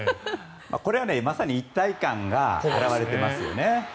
これはまさに一体感が表れていますよね。